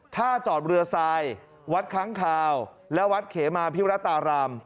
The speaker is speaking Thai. ท่าจอดเรือทรายวัดค้างคาวและวัดเขมาพิรัตราราม